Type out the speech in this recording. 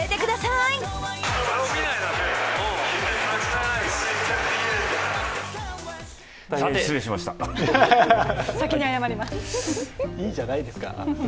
いいじゃないですか。